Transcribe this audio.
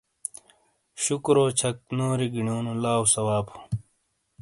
شُکورو چَھک نوری گینیونو لاؤ ثواب ہوں ۔